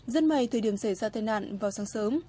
rất may thời điểm xảy ra tai nạn vào sáng sớm